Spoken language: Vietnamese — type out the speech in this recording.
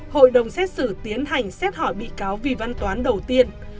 hội đồng xét xử tiến hành xét hỏi bị cáo vì văn toán đầu tiên